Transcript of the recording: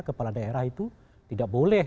kepala daerah itu tidak boleh